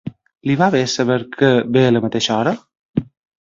Li va bé saber que ve a la mateixa hora?